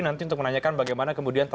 nanti untuk menanyakan bagaimana kemudian